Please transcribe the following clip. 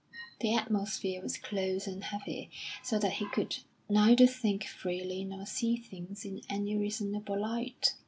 The atmosphere was close and heavy, so that he could neither think freely nor see things in any reasonable light.